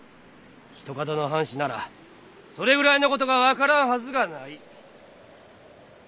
ひとかどの藩士ならそれぐらいのことが分からんはずがない。